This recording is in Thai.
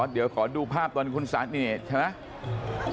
เดี๋ยวขอดูภาพตอนคุณสันนี่ใช่ไหม